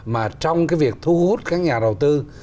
mà trong cái việc thu hút các nhà đầu tư